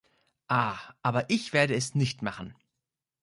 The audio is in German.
Ah, aber ich werde es nicht machen.